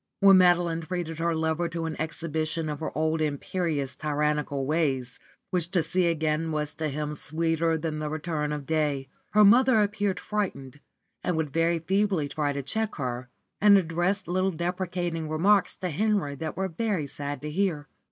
When Madeline treated her lover to an exhibition of her old imperious tyrannical ways, which to see again was to him sweeter than the return of day, her mother appeared frightened, and would try feebly to check her, and address little deprecating remarks to Henry that were very sad to hear.